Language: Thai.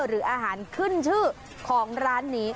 หรืออาหารขึ้นชื่อของร้านนี้